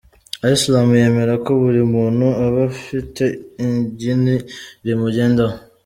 Islam yemera ko buri muntu aba afite igini rimugendaho.